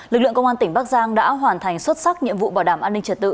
lực lượng công an tỉnh bắc giang đã hoàn thành xuất sắc nhiệm vụ bảo đảm an ninh trật tự